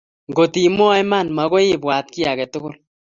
Ngot imwoe iman, maakoi ibwat kiy aketukul